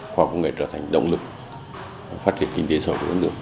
khoa học nghệ trở thành động lực phát triển kinh tế sở hữu ấn lượng